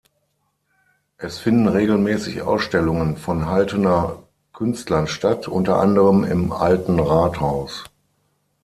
Es finden regelmäßig Ausstellungen von Halterner Künstlern statt, unter anderem im Alten Rathaus.